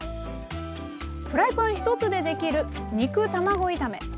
フライパン１つでできる肉卵炒め。